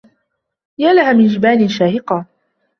يالها من جبال شاهقة